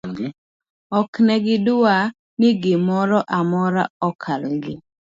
oknegidwa ni gimoramora okalgi